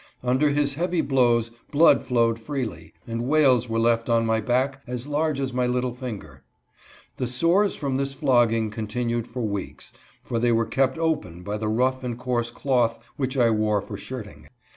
Under his heavy blows blood flowed freely, and wales were left on my back as large as my little finger. The sores from this flogging continued for weeks, for they were kept open by the rough and coarse cloth which I wore for shirting.